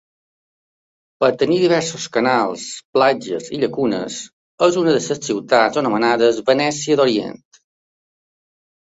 Per tenir diversos canals, platges i llacunes és una de les ciutats anomenades Venècia d'Orient.